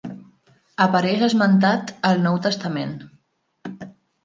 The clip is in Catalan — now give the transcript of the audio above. Apareix esmentat al Nou Testament.